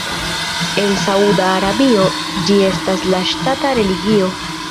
En Sauda Arabio ĝi estas la ŝtata religio.